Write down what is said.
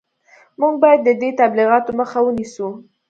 موږ باید د دې تبلیغاتو مخه ونیسو